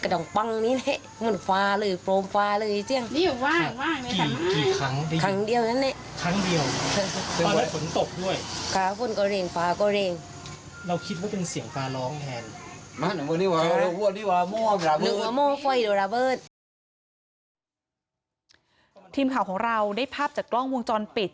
ทีมข่าวของเราได้ภาพจากกล้องวงจรปิด